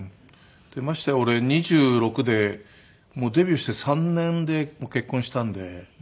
ましてや俺２６でデビューして３年で結婚したので。